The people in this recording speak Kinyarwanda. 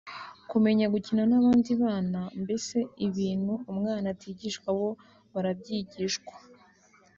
kumenya gukina n’abandi bana mbese ibintu umwana atigishwa bo barabyigishwa